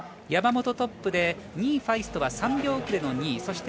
山本がトップで２位のファイストは３秒遅れの２位。